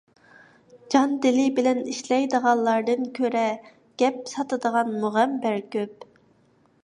جان - دىلى بىلەن ئىشلەيدىغانلاردىن كۆرە، گەپ ساتىدىغان مۇغەمبەر كۆپ.